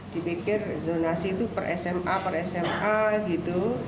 dipikir zonasi itu per sma per sma gitu